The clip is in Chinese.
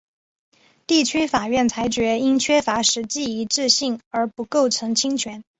地区法院裁决因缺乏实际一致性而不构成侵权。